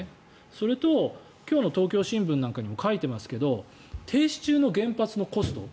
それと今日の東京新聞なんかにも書いてますけど停止中の原発のコスト。